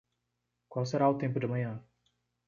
Qual será o tempo de amanhã?